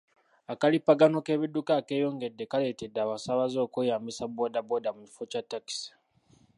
Akalippagano k'ebidduka akeyongedde kaleetedde abasaabaze okweyambisa boodabooda mu kifo kya takisi.